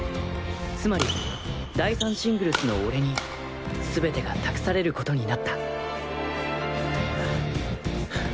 つまり第３シングルスの俺に全てが託されることになったはぁはぁ。